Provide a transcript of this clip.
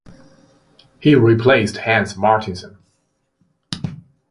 He replaced Hans Martinson.